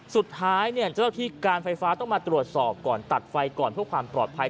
เจ้าที่การไฟฟ้าต้องมาตรวจสอบก่อนตัดไฟก่อนเพื่อความปลอดภัย